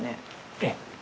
ええ。